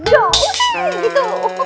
ya usih gitu